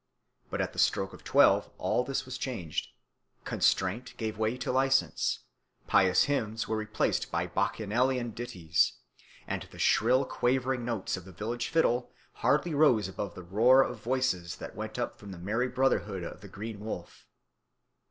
But at the stroke of twelve all this was changed. Constraint gave way to license; pious hymns were replaced by Bacchanalian ditties, and the shrill quavering notes of the village fiddle hardly rose above the roar of voices that went up from the merry brotherhood of the Green Wolf.